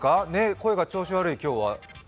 声が調子悪い、今日は。